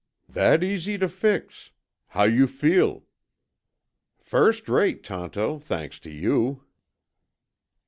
"That easy to fix. How you feel?" "First rate, Tonto, thanks to you."